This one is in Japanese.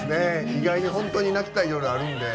意外に本当に泣きたい夜あるんで。